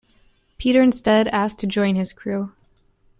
Peter instead asks to join his crew.